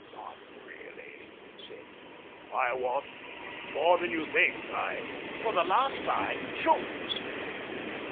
But really," he said, " I want the money more than you think. I "" For the last time — choose